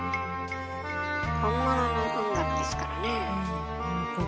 本物の音楽ですからね。